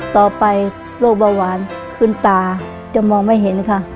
ต่อไปโรคเบาหวานขึ้นตาจะมองไม่เห็นค่ะ